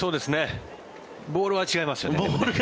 ボールは違いますよね。